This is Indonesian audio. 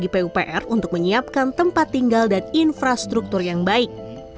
jembatan ini juga dapat menjadi tempat untuk menyiapkan tempat tinggal dan infrastruktur yang baik